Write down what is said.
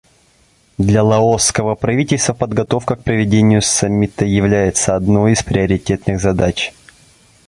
Для лаосского правительства подготовка к проведению Саммита является одной из приоритетных задач.